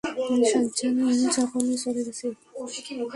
সাজ্জাদ জাপানে চলে গেছে!